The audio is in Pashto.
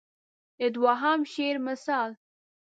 د دوهم شعر مثال.